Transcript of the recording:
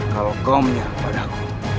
kalau kau menyerang padaku